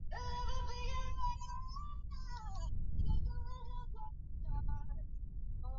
Mambo yalianza kubadilika na nadhani kwa sababu ya wakati pia